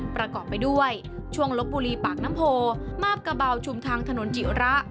ประกอบไปด้วยช่วงลบบุรีปากน้ำโพมาบกระเบาชุมทางถนนจิระ